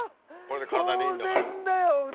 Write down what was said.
当然だよ